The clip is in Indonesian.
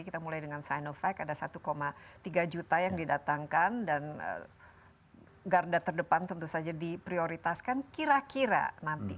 kita mulai dengan sinovac ada satu tiga juta yang didatangkan dan garda terdepan tentu saja diprioritaskan kira kira nanti